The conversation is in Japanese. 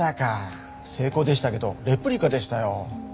精巧でしたけどレプリカでしたよ。